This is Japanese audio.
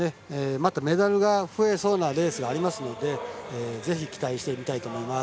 またメダルが増えそうなレースがあるのでぜひ期待して見たいと思います。